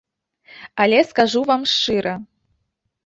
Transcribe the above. Але скажу вам шчыра.